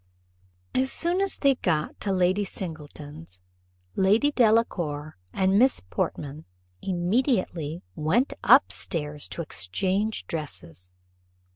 As soon as they got to Lady Singleton's, Lady Delacour and Miss Portman immediately went up stairs to exchange dresses.